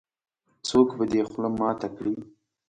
-څوک به دې خوله ماته کړې.